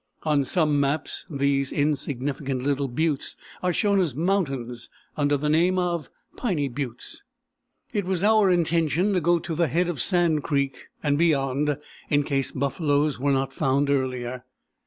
On some maps these insignificant little buttes are shown as mountains, under the name of "Piny Buttes." It was our intention to go to the head of Sand Creek, and beyond, in case buffaloes were not found earlier.